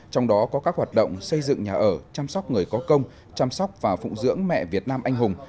trong đó có các hoạt động xây dựng nhà ở chăm sóc người có công chăm sóc và phụng dưỡng mẹ việt nam anh hùng